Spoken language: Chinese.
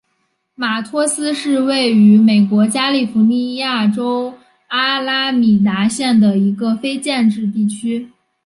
马托斯是位于美国加利福尼亚州阿拉米达县的一个非建制地区。